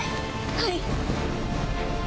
はい！